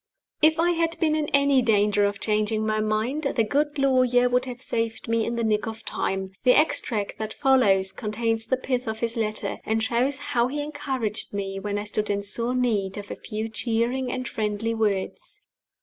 If I had been in any danger of changing my mind, the good lawyer would have saved me in the nick of time. The extract that follows contains the pith of his letter; and shows how he encouraged me when I stood in sore need of a few cheering and friendly words.